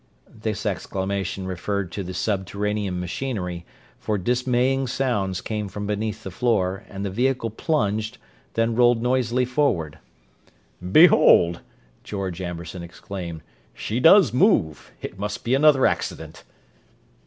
This exclamation referred to the subterranean machinery, for dismaying sounds came from beneath the floor, and the vehicle plunged, then rolled noisily forward. "Behold!" George Amberson exclaimed. "She does move! It must be another accident."